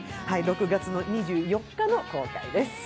６月２４日の公開です。